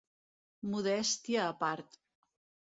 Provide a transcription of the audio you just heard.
Modèstia a part.